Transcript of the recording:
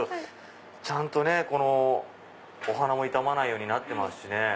ちゃんとねお花も傷まないようになってますしね。